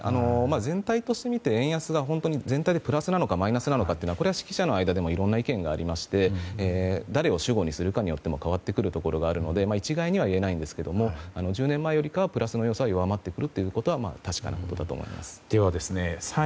全体としてみて円安が全体でプラスかマイナスか識者の間でもいろんな意見がありまして誰を主語にするかによっても変わるところがあるので一概には言えませんが１０年前と比べるとプラスの要素が弱まってくることは確かなことだと思います。